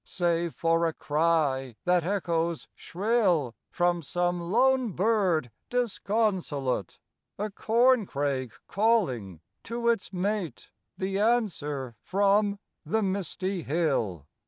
Save for a cry that echoes shrill From some lone bird disconsolate; A corncrake calling to its mate; The answer from the misty hill.